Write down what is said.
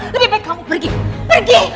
lebih baik kamu pergi pergi